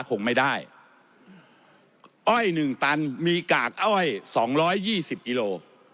คงไม่ได้อ้อยหนึ่งตันมีกากอ้อยสองร้อยยี่สิบกิโล